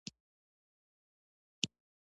پر مناره باندې راتیرشي،